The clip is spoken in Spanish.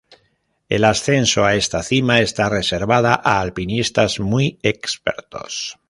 El ascenso a esta cima está reservada a alpinistas muy expertos.